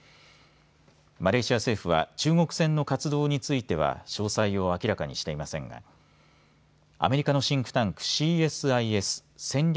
マレーシア政府は中国船の活動については詳細を明らかにしていませんがアメリカのシンクタンクＣＳＩＳ戦略